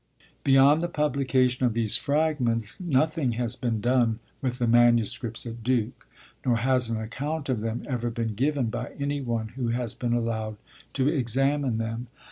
Beyond the publication of these fragments, nothing has been done with the manuscripts at Dux, nor has an account of them ever been given by any one who has been allowed to examine them.